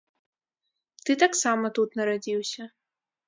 Ты таксама тут нарадзіўся.